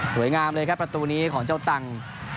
สวยงามเลยครับประตูนี้ของเจ้าตั้ง